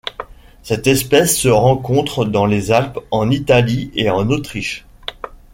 Cette espèce se rencontre dans les Alpes en Italie et en Autriche.